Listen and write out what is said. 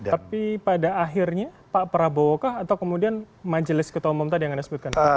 tapi pada akhirnya pak prabowo kah atau kemudian majelis ketua umum tadi yang anda sebutkan